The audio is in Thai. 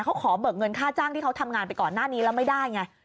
เขาขอเบิกเงินค่าจ้างที่เขาทำงานไปก่อนหน้านี้แล้วไม่ได้ไง